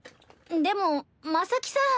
でも真咲さん。